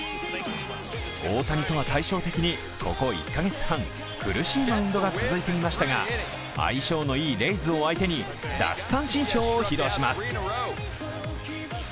大谷とは対照的にここ１カ月半、苦しいマウンドが続いていましたが、相性のいいレイズを相手に奪三振ショーを披露します。